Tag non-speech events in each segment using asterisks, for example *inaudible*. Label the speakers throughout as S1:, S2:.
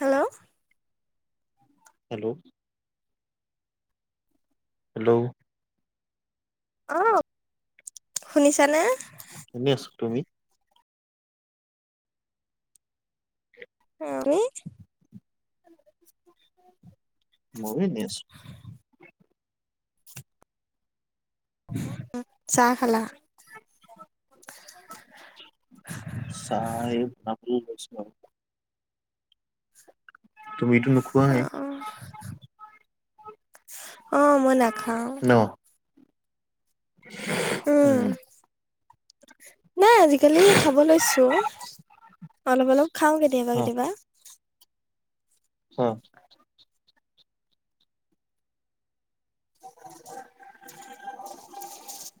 S1: হেৰৌ!
S2: Hello! Hello!
S1: অঁ শুনিছানে?
S2: শুনে আছো তুমি।
S1: অহঁ! হেইত-
S2: মই শুনি আছো।
S1: চাহ খালা? ওচচচ
S2: চাই পাহাৰী গৈছোঁ মই। তুমিতো নোখো-
S1: অঁ মই নাখাওঁ। উম
S2: উমঁ।
S1: নাই আজিকালি খাব লৈছোঁ অলপ অলপ খাওঁ কেতিয়াবা
S2: অ
S1: কেতিয়াবা।
S2: অঁ!
S1: *inaudible*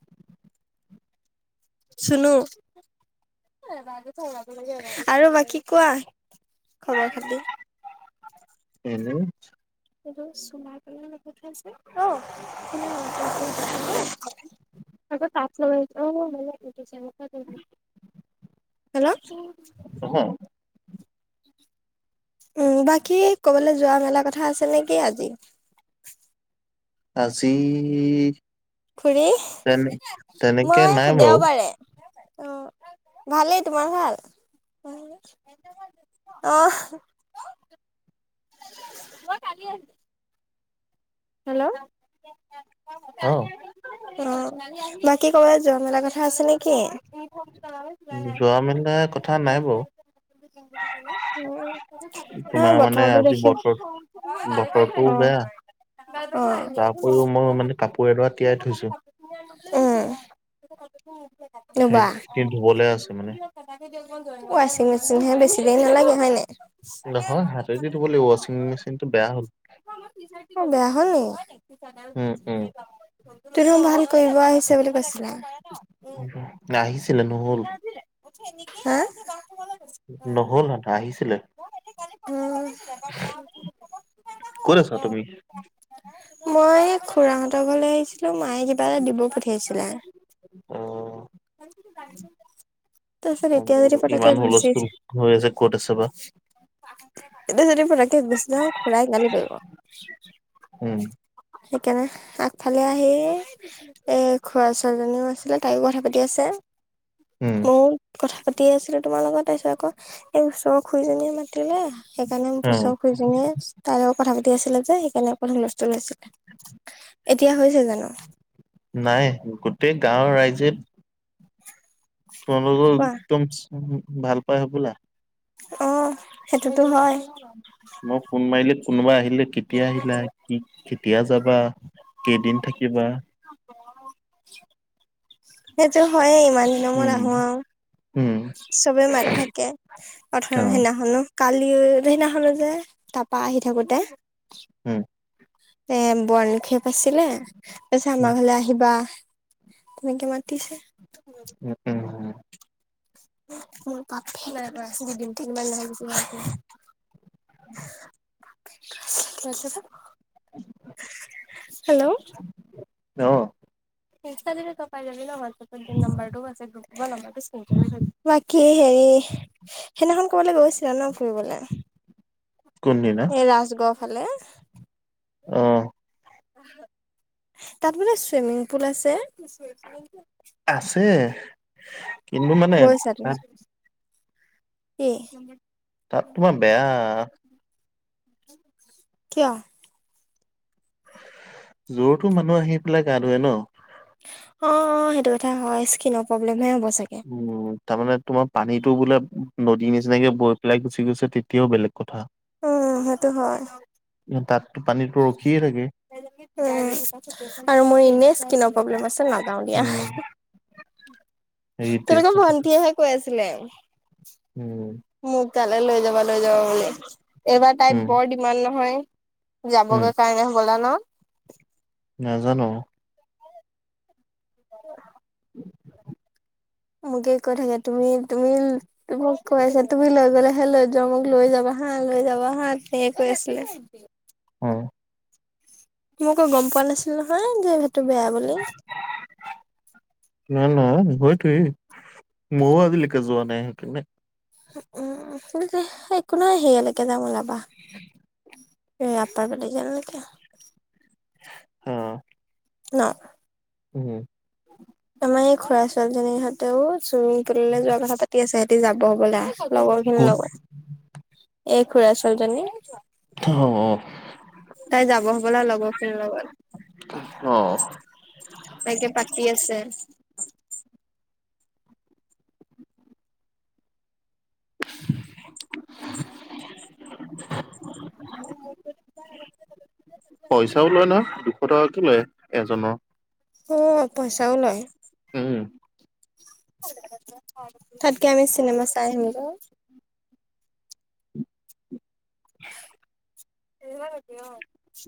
S1: চুনো। আৰু বাকী কোৱা খবৰ খাতি।
S2: উমঁ।
S1: এইটো চুনাৰ বুলি লিখি থোৱা আছে তো- আকৌ তাল লগাছো অঁ হৈছে অঁ ভালে হৈছে এনকোৱা পাৰী দিছা হেলৌ!
S2: অহ।
S1: উমঁ বাকী ক'বলৈ যোৱা মেলা কথা আছে নেকি আজি।
S2: আজি
S1: খোৰি
S2: তেনে তেনেকে
S1: মই
S2: নাই বাৰু
S1: দেওবাৰে অঁ' ভালেই তোমাৰ ভাল? আহ। হেল্লৌ!
S2: অ
S1: অঁ বাকী ক'বাত যোৱা মেলা কথা আছে নেকি?
S2: যোৱা মেলা কথা নাই বাৰু।
S1: নাই
S2: তোমাৰ মানে
S1: বতৰটো
S2: আজি
S1: দেখি অ',
S2: বতৰত বতৰটোও বেয়া। তাৰ উপৰিও মই মানে কাপোৰ এডৰা তিয়াই
S1: অঁ!
S2: থৈছো
S1: এহ।
S2: সেই খেফিকে ধুবলে আছে মানে।
S1: ওৱাছিং মেচিনহে বেছি দেৰি নালাগে হয় নাই।
S2: নহয় হাতেদিটো ধোব লাগিৱ ৱাচিং মেচিনটো বেয়া হ'ল।
S1: অঁ বেয়া হ'ল নি?
S2: উম উম
S1: তুমও ভাল কৰিব আহিছে বুলি কৈছিলা?
S2: আহিছিলে নহ'ল।
S1: হা-
S2: নহ'ল হেতে আহিছিলে।
S1: ওম-
S2: ক'ত আছা তুমি?
S1: মই খুৰাহঁতৰ ঘৰলৈ আহিছিলো মায়ে কিবা এটা দিব পঠিয়াইছিলে।
S2: অ
S1: *unintelligible* তাৰপিছত এতিয়া যদি
S2: *unintelligible*
S1: পতককে
S2: ইমান
S1: গুচি
S2: হুলস্থুল হৈ আছে ক'ত আছে বা?
S1: এতিয়া যদি পতককে গুচি যাওঁ খুৰাই গালি পাৰিব।
S2: উম।
S1: সেইকাৰণে, আগফালে আহি এ, খোৰা ছোৱালী জনীও আছিলে, তাইও কথা পাতি আছে,
S2: উম
S1: মোৰ কথা পাতিয়ে আছিলোঁ, তোমাৰ লগত, তাৰপিছত আকৌ, এই ওচৰ খুইজনীয়ে মাতিলে সেইকাৰণে
S2: অ
S1: পুচ খুৰী জনীয়ে, তাৰ লগত কথা পাতি আছিলে যে সে কাৰণে অকণ হুলস্থল হৈছিলে, এতিয়া হৈছে জানো?
S2: নাই, গোটেই গাঁওৰ ৰাইজে তোমালোকক
S1: কোৱা
S2: একদম চ ভাল পাই হ'বলা।
S1: অ', সেইটোতো হয়।
S2: মই ফোন মাৰিলে, কোনোবা আহিলে, কেতিয়া আহিলা কি কেতিয়া যাবা, কেইদিন থাকিবা?
S1: সেইটো হয়ে, ইমান দিনৰ মূৰত
S2: উম
S1: আহো আৰু
S2: উম
S1: চবে মাতি থাকে, অথ
S2: অ
S1: সেইদিনাখনো কালিও সেইদিনাখনো যে, তাৰপা আহি থাকোতে
S2: হম
S1: এ বনক্ষেপ আছিলে, তাৰপিছত
S2: উম
S1: আমাৰ ঘৰলে আহ আহিবা, তেনেকে মাতিছে।
S2: উম, উম উম,
S1: মোৰ *unintelligible*
S2: *unintelligible*
S1: *unintelligible* হেল্ল'
S2: অ'
S1: ইনষ্টা দিলে তই পাই যাবি নহ, হোৱাটছএপ মোৰ নাম্বাৰটোও আছে *unintelligible* বাকী হেৰি সেইদিনাখন ক'বালৈ গৈছিলা ন ফুৰিবলে,
S2: কোনদিনা
S1: এই ৰাজগড়ৰ ফালে
S2: অ'
S1: তাত বোলে চুইমিং পুল আছে।
S2: আছে কিন্তু মানে
S1: গৈছা তুমি,
S2: তাত
S1: কি?
S2: তাত তোমাৰ বেয়া
S1: কিয়?
S2: যৰ-তৰ মানুহ আহি পেলাই গা ধুৱে ন
S1: অ', অ', সেইটো কথা হয়, স্কিনৰ প্ৰব্লেম হে হ'ব চাগে।
S2: উম, তাৰমানে তোমাৰ পানীতো বোলে নদীৰ নিচিনাকে বৈ পেলাই গুচি গৈছে, তেতিয়াও বেলেগ কথা।
S1: অ', অ', সেইটো হয়।
S2: তাতটো পানী ৰখিয়ে থাকে।
S1: উম আৰু মোৰ এনে স্কিনৰ প্ৰব্লেম আছে, নাযাও দিয়া।
S2: উম। সেইটোৱে
S1: তোমালোকৰ
S2: কথাটো
S1: ভন্টীয়েহে কৈ আছিলে।
S2: উম
S1: মোক তালে লৈ যাবা, লৈ যাবা বুলি, এইবাৰ তাই
S2: উম,
S1: বৰ ডিমাণ্ড নহয়।
S2: উম,
S1: যাবগৈ কাৰণে হব'লা ন
S2: নাজানো।
S1: উম। মোকে কৈ থাকে তুমি তুমি মোক কৈ আছে তুমি লৈ গ'লে হে ল যোৱা মোক লৈ যাবা হা লৈ যাবা হা সেনেকে কৈ আছিলে।
S2: হয়।
S1: মোকো গম পোৱা নাছিল নহয় যে সেইটো বেয়া বুলি।
S2: *unintelligible* নাই না সতোৱেই মইয়ো আজিলৈকে যোৱা নাই সেইকাৰনে
S1: উম একো নহয় সেইয়ালৈকে যাম ওলাবা।
S2: *inaudible*
S1: এই আপাৰ ভটিজা লৈকে আহ।
S2: অ
S1: ন'।
S2: উম।
S1: আমাৰ এই খুৰা -ছোৱালীজনীৰ সতেও, চুমিং পুললৈ যোৱা কথা পাতি আছে। সিহঁতেযাব বোলা। লগৰ খিনিৰ
S2: ক'ত
S1: লগত। এই খুৰা ছোৱালীজনী।
S2: কি খবৰ।
S1: তাই যাব হ'বলা, লগৰখিনিৰ
S2: অ',
S1: লগত। তাইকে পাতি আছে।
S2: *unintelligible* পইচাও লয় নহয়। দুশ টকাকে লয়, এজনৰ।
S1: উ, পইচাও লয়।
S2: উম।
S1: তাতকে আমি চিনেমা চাই আহিমগৈ।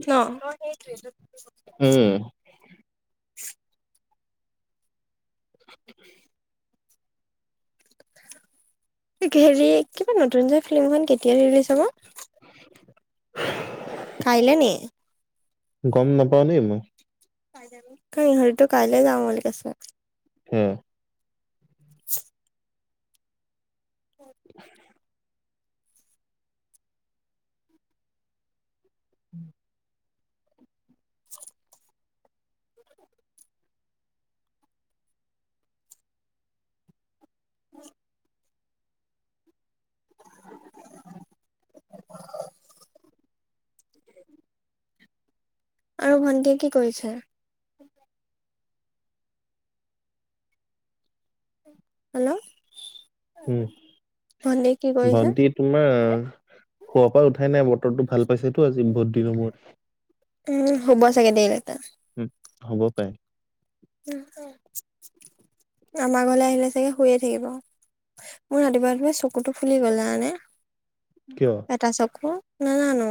S1: ন?
S2: উম,
S1: হেৰি, কিবা নতুন যে ফিল্মখন কেতিয়া ৰিলিজ হৈছে বা?
S2: *unintelligible*
S1: কাইলে নি?
S2: গম নাপাও দেই মই।
S1: কে হৰি ত' কাইলে যাম বুলি কৈছে।
S2: কি হ'ল।
S1: *unintelligible*
S2: *unintelligible* *unintelligible*
S1: চ্ছঊূূ দে ূজ্ৰঊূ আৰু ভণ্টিয়ে কি কৰিছে? হেল্ল',
S2: উম,
S1: ভণ্টিয়ে কি কৰিছে?
S2: ভন্টি তোমাৰ শুৱা পৰা উঠাই নাই, বতৰটো ভাল পাইছেতো আজি। বহুত দিনৰ মূৰত
S1: উম। শুব চাগে দেৰিলেইকে।
S2: উম। হ'ব পাৰে।
S1: আমাৰ ঘৰলৈ আহিলে চাগে শুয়ে থাকিব। মোৰ ৰাতিপুৱাই ৰাতিপুৱাই চকুটো ফুলি গ'ল। জানানে?
S2: কিয়?
S1: এটা চকু, নাজানো।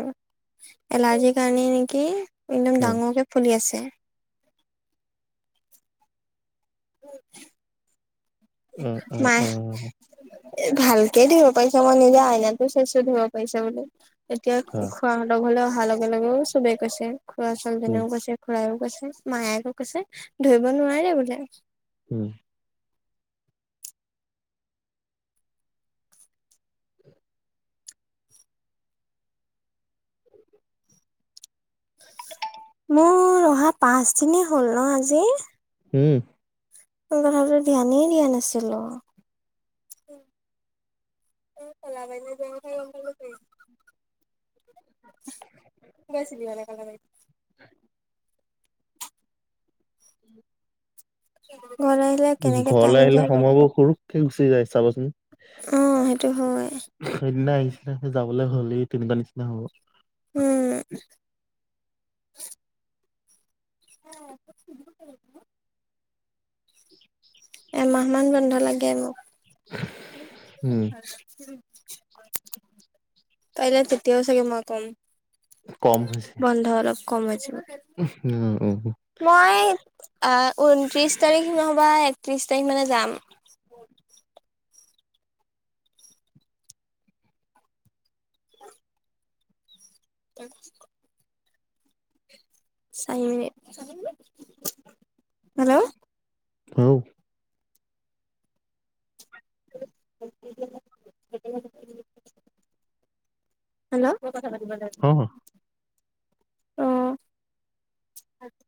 S1: এলাৰ্জিৰ কাৰণে নেকি, একদম
S2: অ',
S1: ডাঙৰকে ফুলি আছে। হয়।
S2: উম, উম,
S1: নাই
S2: উম,
S1: এ ভালকে ধুব পাৰিছ, মই নিজে আইনাতো চাইছো ধুব পাৰিছে বুলে। এতিয়া,
S2: আচ্ছা
S1: খোৱাহঁতৰ ঘৰলৈ অহাৰ লগে লগেও চবেই কৈছে। খুৰা
S2: উম,
S1: ছোৱালীজনীয়েও কৈছে, খুৰায়েও কৈছে, মায়ে আকৌ কৈছে, ধৰিব নোৱাৰে বোলে।
S2: উম।
S1: মোৰ অহা পাঁচদিনেই হ'ল ন আজি।
S2: উম।
S1: এই কথাটো ধ্যানেই দিয়া নাছিলো। *unintelligible* *unintelligible*
S2: *unintelligible*
S1: ঘৰলে আহিলে?
S2: উম,
S1: কেনেকে টাইম
S2: ঘৰলৈ আহিলে
S1: যায় গম
S2: সময়বোৰ
S1: নাপাওঁ।
S2: হুৰুককে গুচি যায়, চাবচোন।
S1: অ' সেইটো হয়
S2: সেইদিনা আহিছিলোহে যাবলৈ হ'লেই, তেনকা নিচিনা হ'ব।
S1: উম। *unintelligible* এমাহ মান বন্ধ লাগে মোক।
S2: উম,
S1: কাইলে তেতিয়াও চাগে মই কম।
S2: কম হৈছে।
S1: বন্ধ অলপ কম হৈছে।
S2: উম হু।
S1: মই আঁ ঊনত্ৰিছ তাৰিখ নহ'বা একত্ৰিছ তাৰিখ মানে যাম। উম। চাৰি মিনিট, হেল্ল
S2: *inaudible* *inaudible*
S1: হেল্ল
S2: অঁ
S1: অঁ,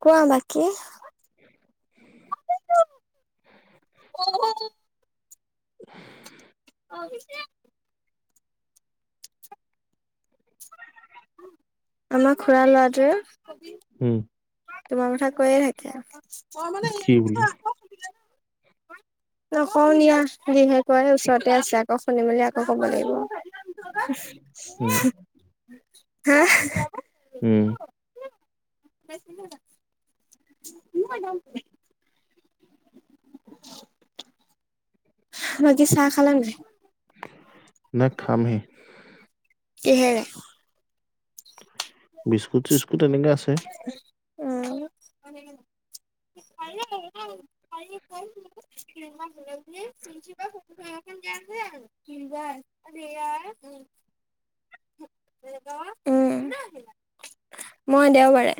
S1: কোৱা বাকি।
S2: *inaudible* *inaudible*
S1: *inaudible* আমাৰ খুৰা ল'ৰাটোৱে
S2: উম
S1: তোমাৰ কথা কৈয়ে থাকে।
S2: কি *inaudible*
S1: নকওঁ দিয়া যিহে কয় ওচৰতে আছে আকৌ শুনি মেলি আকৌ কব লাগিব। *inaudible*
S2: উম, উম
S1: *inaudible* *inaudible* *inaudible* বাকি চাহ খালা নে নাই?
S2: না খামহে।
S1: কিহেৰে?
S2: বিস্কুট চিস্কুট এনেকা আছে।
S1: উম। *unintelligible* উম। মই দেওবাৰে।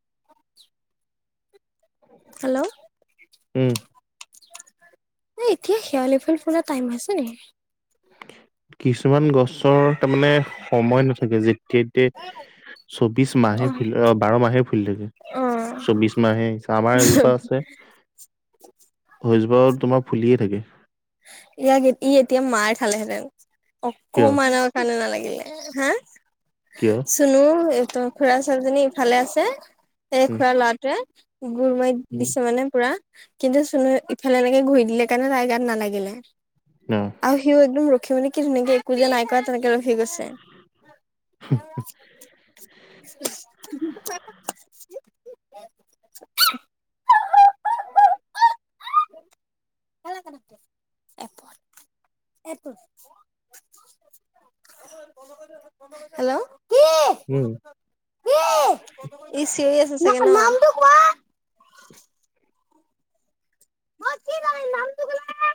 S1: *inaudible* হেল্ল'।
S2: উম।
S1: এই এতিয়া শেৱালি ফুল ফুলা টাইম হৈছে নেকি?
S2: কিছুমান গছৰ তাৰমানে সময় নাথাকে, যেতিয়া এ, চৌবিশ মাহে ফু, অ' বাৰ মাহে ফুলি থাকে।
S1: অ
S2: চৌবিশ মাহেই। আমাৰ এজোপা আছে সেই জোপাও তোমাৰ ফুলিয়ে থাকে।
S1: ইয়াক, ই এতিয়া মাৰ খালেহেঁতেন,
S2: কিয়?
S1: অকমানৰ কান নালাগিলে। হা?
S2: কিয়?
S1: চুনো এই ত, খুৰাৰ ছোৱালীজনী ইফালে আছে সেই
S2: উম,
S1: খুৰাৰ ল'ৰাটোৱে ঘোৰ মাৰি
S2: উম,
S1: দিছে মানে পুৰা কিন্তু চুনো ইফালে এনেকে ঘূৰি দিলে কাৰণে তাইৰ গাত নালাগিলে।
S2: উ।
S1: আৰু সিও একদম ৰখি মে কি ধুনীয়াকে একো যে নাই কৰা তেনেকে ৰখি গৈছে
S2: *inaudible*
S1: *inaudible*
S2: *inaudible*
S1: এপত, এটো। হেল্ল'। কি
S2: উম।
S1: কি, ই চিঞৰি আছে চাগে ন'? *unintelligible* মই কি জানো, নামটো ক'লেহে।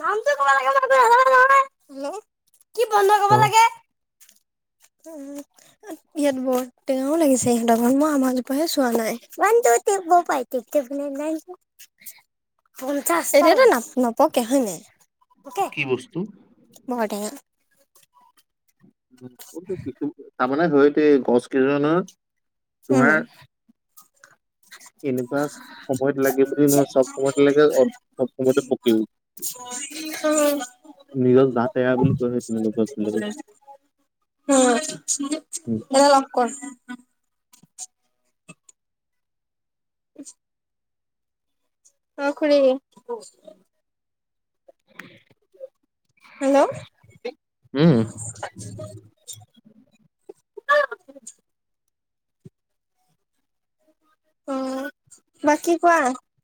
S1: নামটো ক'ব লাগিব *unintelligible* নহয় কি বন্ধ
S2: *unintelligible*
S1: উম। ইয়াত বৰ টেঙাও লাগিছে *unintelligible* মই আমাৰ জোপাহে চোৱা নাই। One two three four five. *unintelligible* এতিয়াতো না-নপকে হয় নাই? ওকে।
S2: কি বস্তু?
S1: নহয় টেঙা।
S2: *unintelligible* তাৰমানে ধৰকে গছ কেইধৰণৰ?
S1: হুম।
S2: এনেকুৱা সময়ত লাগে বুলি নহয় চব সময়ত লাগে অ' চব সময়তে পকিল।
S1: *inaudible* *inaudible*
S2: নিজৰ জাত এৰা বুলি কয় সেইখিনি গছবিলাকক।
S1: অ'
S2: উম।
S1: মোবাইল অফ কৰ। *inaudible* অ' খুৰি। হেল্ল'।
S2: উম।
S1: অ বাকী কোৱা